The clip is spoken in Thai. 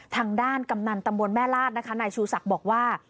ทางด้านกำนันตำบลแม่ลาดนะคะนายชูศักดิ์บอกว่า